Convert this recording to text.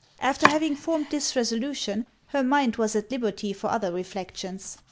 After having formed this resolution, her mind was at liberty for other reflections.